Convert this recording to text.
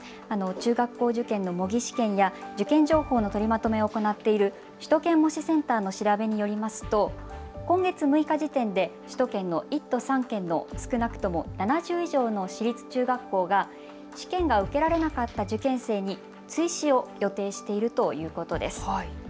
中学校受験の模擬試験や受験情報の取りまとめを行っている首都圏模試センターの調べによりますと今月６日時点で首都圏の１都３県の少なくとも７０以上の私立中学校が試験が受けられなかった受験生に追試を予定しているということです。